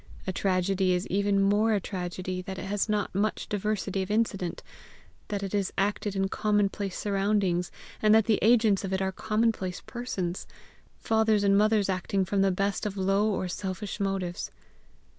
A tragedy is even more a tragedy that it has not much diversity of incident, that it is acted in commonplace surroundings, and that the agents of it are commonplace persons fathers and mothers acting from the best of low or selfish motives.